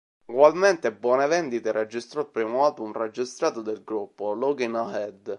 Ugualmente, buone vendite registrò il primo album registrato dal gruppo, "Lookin 'Ahead".